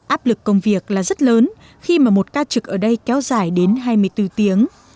áp lực công việc là rất lớn khi mà một ca trực ở đây kéo dài đến hai mươi bốn tiếng